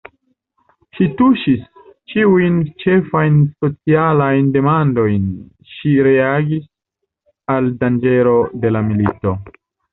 Ŝi tuŝis ĉiujn ĉefajn socialajn demandojn, ŝi reagis al danĝero de la milito.